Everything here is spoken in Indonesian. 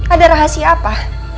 ada rahasia apa